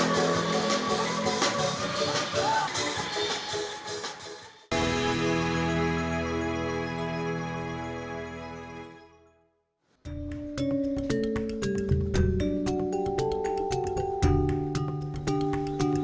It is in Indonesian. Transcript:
sekarang tim malioboro broh